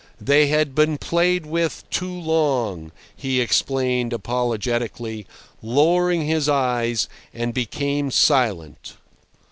They had been played with too long," he explained apologetically, lowering his eyes, and became silent.